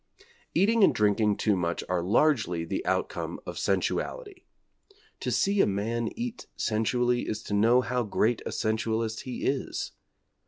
Eating and drinking too much are largely the outcome of sensuality. To see a man eat sensually is to know how great a sensualist he is.